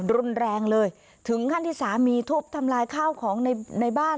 รุนแรงเลยถึงขั้นที่สามีทุบทำลายข้าวของในในบ้าน